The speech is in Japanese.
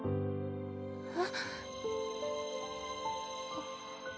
えっ？